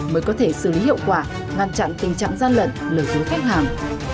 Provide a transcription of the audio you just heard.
mới có thể xử lý hiệu quả ngăn chặn tình trạng gian lận lừa dối khách hàng